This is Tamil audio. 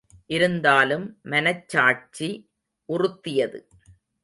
இருந்தாலும் மனச்சாட்சி உறுத்தியது.